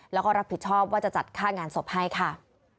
แล้วก็รับผิดชอบว่าจะจัดค่างานศพให้ค่ะ